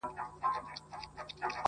• له سهاره تر ماښامه تله راتلله -